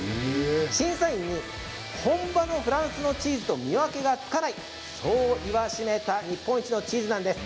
審査員に本場のフランスのチーズと見分けがつかないそう言わしめた日本一のチーズなんです。